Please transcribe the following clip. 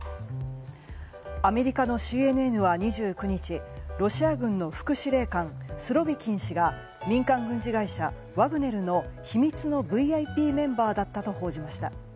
アメリカのＣＮＮは２９日ロシア軍の副司令官スロビキン氏が民間軍事会社ワグネルの秘密のＶＩＰメンバーだったと報じました。